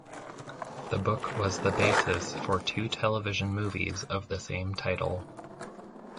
The book was the basis for two television movies of the same title.